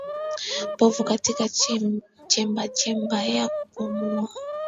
Povu katika chemba chemba ya kupumua